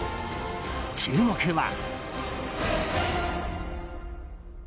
注目は。